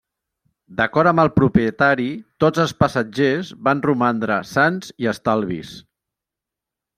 D'acord amb el propietari, tots els passatgers van romandre sans i estalvis.